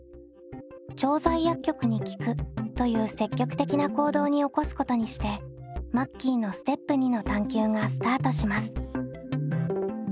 調剤薬局に聞くという積極的な行動に起こすことにしてマッキーのステップ②の探究がスタートします。